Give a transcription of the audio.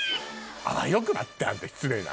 「あわよくば」ってあんた失礼な。